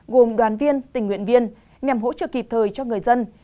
gồm đoàn viên tình nguyện viên nhằm hỗ trợ kịp thời cho người dân